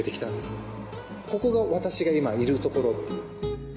「ここが私が今いる所」って。